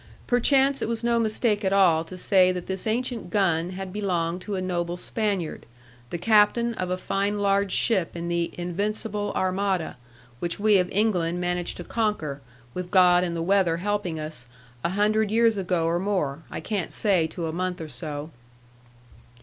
Perchance it was no mistake at all to say that this ancient gun had belonged to a noble Spaniard, the captain of a fine large ship in the 'Invincible Armada,' which we of England managed to conquer, with God and the weather helping us, a hundred years ago or more I can't say to a month or so.